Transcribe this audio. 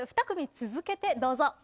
２組続けて、どうぞ。